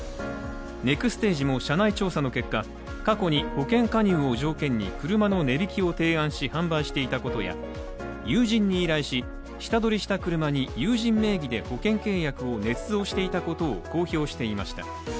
ネクステージも社内調査の結果過去に保険加入を条件に車の値引きを提案し販売していたことや友人に依頼し、下取りした車に友人名義で保険契約をねつ造していたことを公表していました。